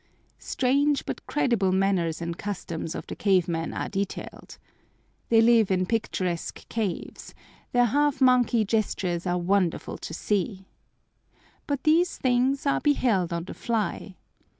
Strange but credible manners and customs of the cave men are detailed. They live in picturesque caves. Their half monkey gestures are wonderful to see. But these things are beheld on the fly.